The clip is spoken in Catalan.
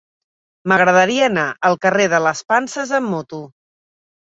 M'agradaria anar al carrer de les Panses amb moto.